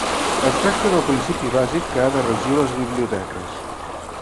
Es tracta del principi bàsic que ha de regir les biblioteques.